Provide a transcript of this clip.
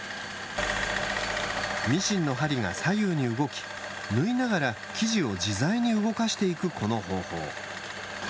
ミシンの針が左右に動き縫いながら生地を自在に動かしていくこの方法。